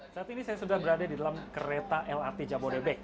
saat ini saya sudah berada di dalam kereta lrt jabodebek